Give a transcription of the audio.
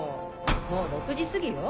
もう６時過ぎよ。